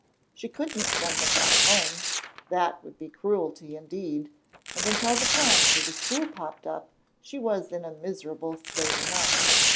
She couldn't send them back home, that would be cruelty indeed; and until the plan for the school popped up she was in a miserable state enough.